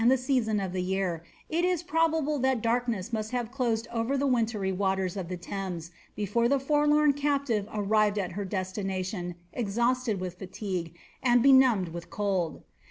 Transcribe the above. ^age ami the season of the year, it is probable that darkness mast 'e closed over the wintry waters of the Thames before the forlorn tive arrived at her destination, exhausted with fatigue, and benumbed h cdld.